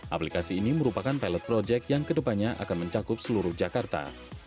aplikasi ini merupakan pilot project yang kedepannya akan mencakup seluruh jakarta